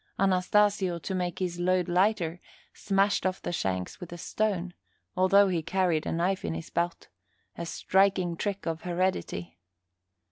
Anastasio, to make his load lighter, smashed off the shanks with a stone, although he carried a knife in his belt a striking trick of heredity.